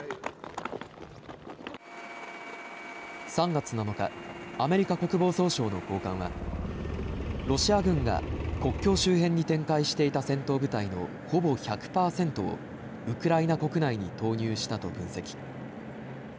３月７日、アメリカ国防総省の高官はロシア軍が国境周辺に展開していた戦闘部隊のほぼ１００％をウクライナ国内に投入したと分析。